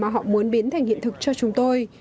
mà họ muốn biến thành hiện thực cho chúng tôi